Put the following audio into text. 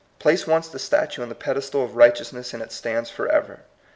Place once the statue on the pedestal of righteousness and it stands forever.